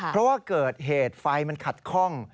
เพราะว่าเกิดเหตุไฟมันขัดคล่อง